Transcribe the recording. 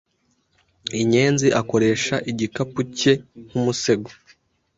inyenzi akoresha igikapu cye nk'umusego